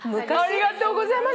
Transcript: ありがとうございます。